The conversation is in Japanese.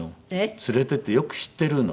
連れてってよく知ってるの。